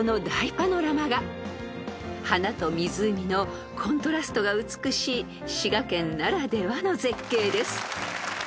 ［花と湖のコントラストが美しい滋賀県ならではの絶景です］